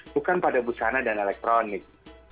bukan pada busana dan elektronik